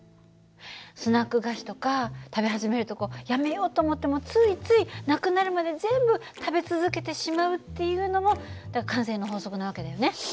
スナック菓子とか食べ始めるとこうやめようと思ってもついついなくなるまで全部食べ続けてしまうっていうのも慣性の法則な訳だよね。